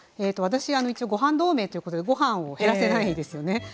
私一応ごはん同盟ということでご飯を減らせないですよね。